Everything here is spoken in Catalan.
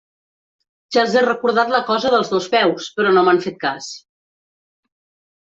Ja els he recordat la cosa dels dos peus, però no m'han fet cas.